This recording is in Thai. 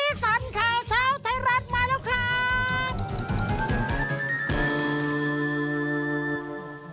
สันข่าวเช้าไทยรัฐมาแล้วครับ